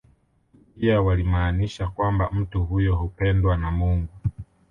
Pia walimaanisha kwamba mtu huyo hupendwa na Mungu